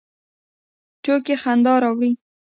ټوکې خندا راوړي